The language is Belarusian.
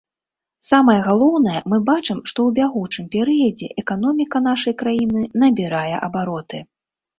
Самае галоўнае, мы бачым, што ў бягучым перыядзе эканоміка нашай краіны набірае абароты.